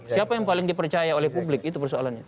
siapa yang paling dipercaya oleh publik itu persoalannya